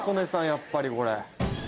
やっぱりこれ。